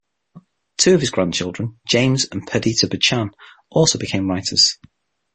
Two of his grandchildren, James and Perdita Buchan, also became writers.